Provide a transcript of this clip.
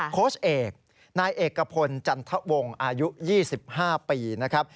โค้ชเอกนายเอกพลจันทวงศ์อายุ๒๕ปีนะครับ